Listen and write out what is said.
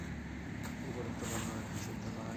উপরোক্ত বর্ণনাটি শুদ্ধ নয়।